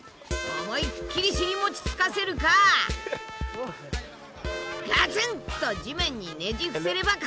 思いっきり尻餅つかせるかガツンと地面にねじ伏せれば勝ち。